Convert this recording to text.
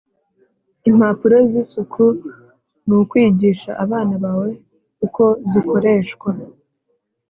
Impapuro z’ isuku nukwigisha abana bawe ukozikoreshwa